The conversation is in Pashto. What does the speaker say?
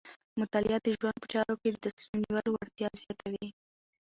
مطالعه د ژوند په چارو کې د تصمیم نیولو وړتیا زیاتوي.